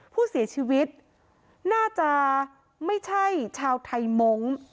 ผู้เสียชีวิตน่าจะไม่ใช่ชาวไทยมงค์